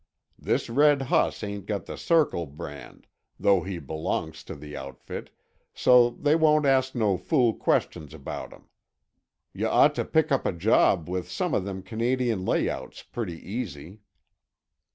This red hoss hasn't got the Circle brand, though he belongs to the outfit, so they won't ask no fool questions about him. Yuh ought to pick up a job with some uh them Canadian layouts pretty easy."